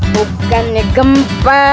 jangan nih gempa